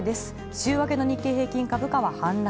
週明けの日経平均株価は反落。